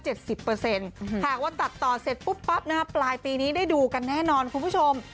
หากว่าตัดต่อเสร็จปุ๊บปั๊บปลายปีนี้ได้ดูกันแน่นอนคุณผู้ชม